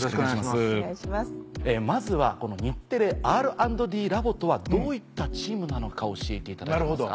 まずはこの日テレＲ＆Ｄラボとはどういったチームなのか教えていただけますか？